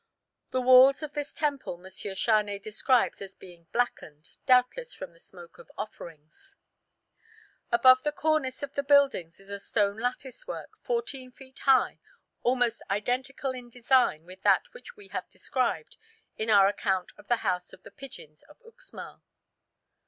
The walls of this temple M. Charnay describes as being blackened, doubtless from the smoke of offerings. Above the cornice of the buildings is a stone lattice work 14 feet high almost identical in design with that which we have described in our account of the House of the Pigeons of Uxmal.